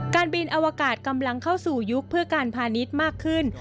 การบินอวกาศกำลังเข้าสู่ยุคเพื่อการพาณิชย์มากขึ้น